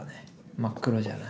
真っ黒じゃない。